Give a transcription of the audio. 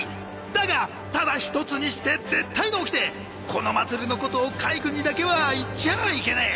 だがただ一つにして絶対のおきてこの祭りのことを海軍にだけは言っちゃあいけねえ！